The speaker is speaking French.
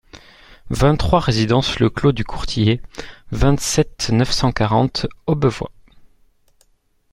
vingt-trois résidence le Clos du Courtillet, vingt-sept, neuf cent quarante, Aubevoye